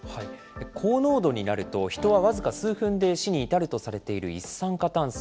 高濃度になると、人は僅か数分で死に至るとされている一酸化炭素。